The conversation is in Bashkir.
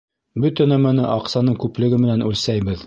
Бөтә нәмәне аҡсаның күплеге менән үлсәйбеҙ.